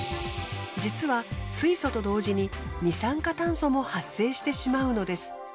実は水素と同時に二酸化炭素も発生してしまうのです。